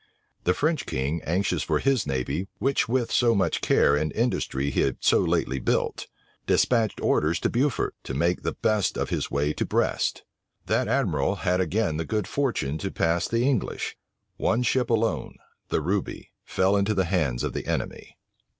The French king, anxious for his navy, which with so much care and industry he had so lately built, despatched orders to Beaufort, to make the best of his way to Brest. That admiral had again the good fortune to pass the English. One ship alone, the Ruby, fell into the hands of the enemy.